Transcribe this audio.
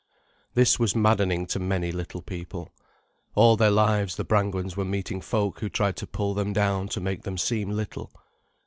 This was maddening to many little people. All their lives, the Brangwens were meeting folk who tried to pull them down to make them seem little.